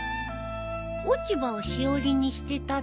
落ち葉をしおりにしてたってこと？